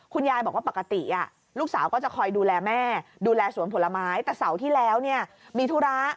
คุณยายบอกว่าปกติลูกสาวก็จะคอยดูแลแม่ดูแลสวนผลไม้แต่เสาร์ที่แล้วเนี่ยมีธุระ